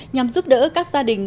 nhằm giúp đỡ các gia đình